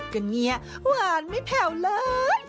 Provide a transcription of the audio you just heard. ก็เนี่ยหวานไม่แผ่วเลย